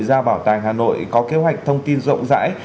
ra bảo tàng hà nội có kế hoạch thông tin rộng rãi